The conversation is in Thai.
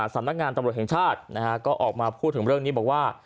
สำนักงานตำรวจแห่งชาติก็ออกมาพูดถึงเรื่องนี้บอกว่า